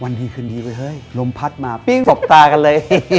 วันนี้คือดีกว่าเฮ้ยลมพัดมาปิ้งสกตากันเลย